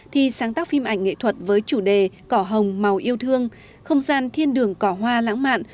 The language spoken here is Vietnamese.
thì sáng tác phim ảnh nghệ thuật với chủ đề cỏ hồng màu yêu thương không gian thiên đường cỏ hoa lãng mạn